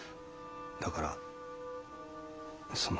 だからその。